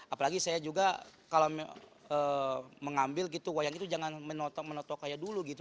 apalagi saya juga kalau mengambil gitu wayang itu jangan menotok menotok kayak dulu gitu